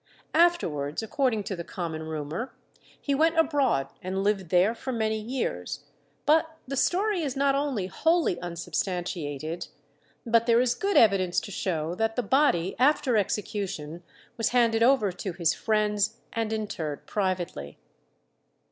Afterwards, according to the common rumour, he went abroad and lived there for many years; but the story is not only wholly unsubstantiated, but there is good evidence to show that the body after execution was handed over to his friends and interred privately.